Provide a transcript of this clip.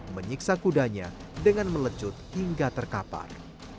menyiksa kudanya dengan melecut hingga terkapar